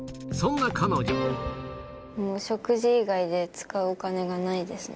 食事以外で使うお金がないですね。